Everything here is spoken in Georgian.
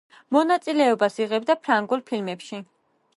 მონაწილეობას იღებდა ფრანგულ ფილმებში.